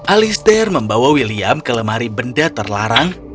alister membawa william ke lemari benda terlarang